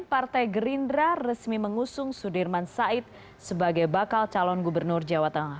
partai gerindra resmi mengusung sudirman said sebagai bakal calon gubernur jawa tengah